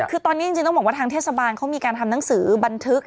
คือตอนนี้จริงต้องบอกว่าทางเทศบาลเขามีการทำหนังสือบันทึก